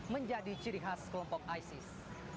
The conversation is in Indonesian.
menjadi ciri khas kelompok isis